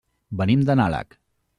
Venim de Nalec.